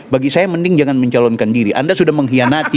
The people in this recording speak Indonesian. bagi saya mending jangan mencalonkan diri anda sudah mengkhianati